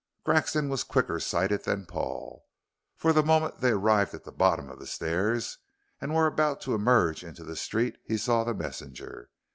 Grexon was quicker sighted than Paul, for the moment they arrived at the bottom of the stairs and were about to emerge into the street he saw the messenger.